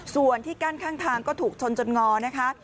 ส่วนที่กั้นข้างทางก็ถูกชนจนงอนะคะ